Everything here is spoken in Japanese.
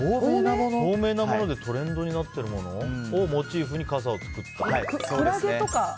透明なものでトレンドになってるものをモチーフに傘を作った。